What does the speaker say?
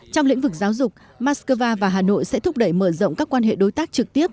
trong lĩnh vực giáo dục moscow và hà nội sẽ thúc đẩy mở rộng các quan hệ đối tác trực tiếp